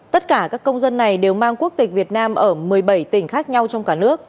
tất cả các công dân này đều mang quốc tịch việt nam ở một mươi bảy tỉnh khác nhau trong cả nước